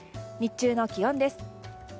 日中の気温です。